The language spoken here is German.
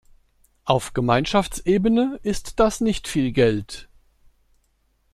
Auf Gemeinschaftsebene ist das nicht viel Geld.